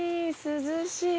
涼しい。